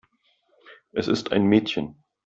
Es ist ein Mädchen.